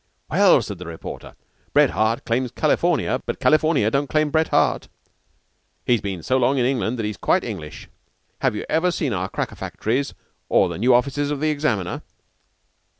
"Well," said the reporter, "Bret Harte claims California, but California don't claim Bret Harte. He's been so long in England that he's quite English. Have you seen our cracker factories or the new offices of the 'Examiner'?"